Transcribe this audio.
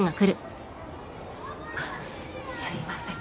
あっすいません。